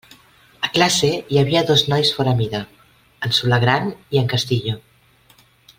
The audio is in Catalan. A classe hi havia dos nois fora mida: en Solà gran i en Castillo.